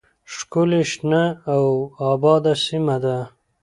ښکلې شنه او آباده سیمه ده